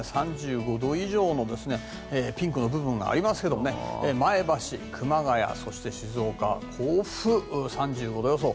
３５度以上のピンクの部分がありますが前橋、熊谷、そして静岡、甲府３５度予想。